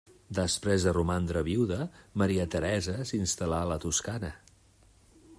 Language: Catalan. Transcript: Després de romandre viuda, Maria Teresa s'instal·là a la Toscana.